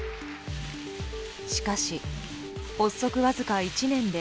しかし、発足わずか１年で。